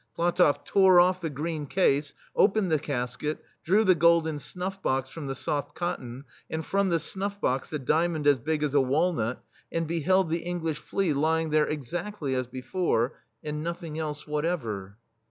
PlatofFtore ofFthe green case, opened the casket, drew the golden snufF box from the soft cotton, and from the snufF box the diamond as big as a walnut, and beheld the English flea lying there ex aftly as before, and nothing else what ever.